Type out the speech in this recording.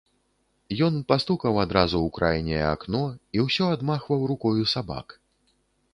Ён пастукаў адразу ў крайняе акно і ўсё адмахваў рукою сабак.